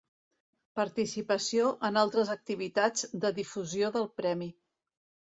Participació en altres activitats de difusió del Premi.